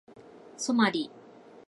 ソマリ